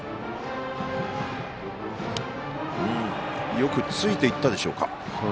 よくついていったでしょうか。